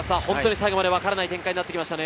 最後までわからない展開になってきましたね。